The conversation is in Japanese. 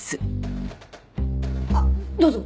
あっどうぞ。